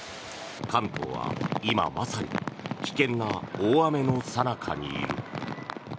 関東は今まさに危険な大雨のさなかにいる。